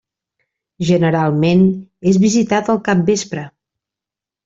Generalment és visitat al capvespre.